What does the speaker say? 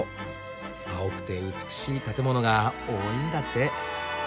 青くて美しい建物が多いんだって。